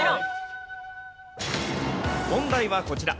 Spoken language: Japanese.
問題はこちら。